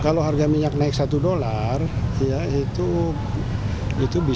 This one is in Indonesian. kalau harga minyak bawa dan larutnya ada bbm